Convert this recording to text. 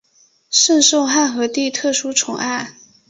甚受汉和帝特殊宠爱。